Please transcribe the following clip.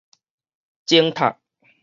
鐘塔